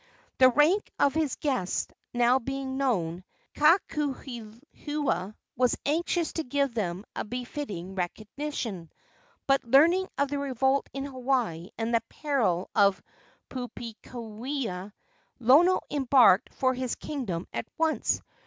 The rank of his guests now being known, Kakuhihewa was anxious to give them a befitting recognition; but, learning of the revolt in Hawaii and the peril of Pupuakea, Lono embarked for his kingdom at once.